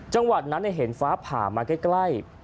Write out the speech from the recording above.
จังหวัดนั้นเห็นฟ้าผ่ามาใกล้